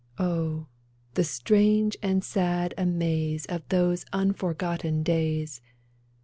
Oh, the strange and sad amaze Of those unforgotten days.